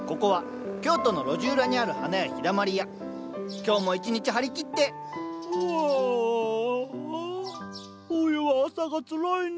今日も一日張り切って冬は朝がつらいね。